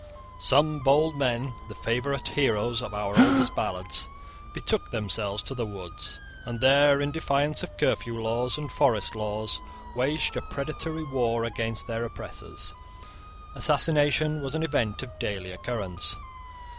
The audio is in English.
Some bold men, the favourite heroes of our oldest ballads, betook themselves to the woods, and there, in defiance of curfew laws and forest laws, waged a predatory war against their oppressors. Assassination was an event of daily occurrence.